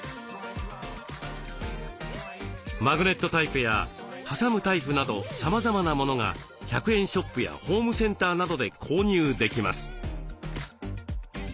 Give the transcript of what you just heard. マグネットタイプや挟むタイプなどさまざまなものが１００円ショップやホームセンターなどで購入できます。